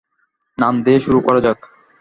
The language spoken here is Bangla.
নাম দিয়েই শুরু করা যাক।